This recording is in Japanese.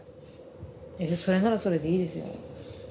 それならそれでいいですよ。